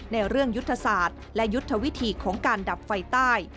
ในเรื่องยุทธศาสตร์และยุทธวิธีของการดับไฟใต้